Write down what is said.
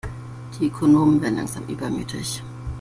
Die Ökonomen werden langsam übermütig.